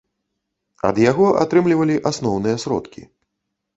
Ад яго атрымлівалі асноўныя сродкі.